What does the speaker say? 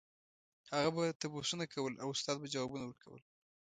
هغه به تپوسونه کول او استاد به ځوابونه ورکول.